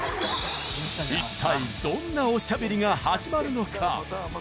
一体どんなおしゃべりが始まるのか？